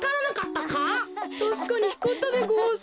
たしかにひかったでごわす。